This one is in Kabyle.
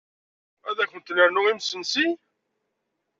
Ad kunt-nernu imesnsi?